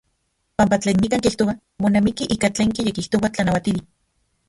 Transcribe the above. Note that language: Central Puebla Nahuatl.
Panpa tlen nikan kijtoa monamiki ika tlen kiyekijtoa tlanauatili.